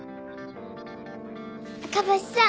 赤星さん。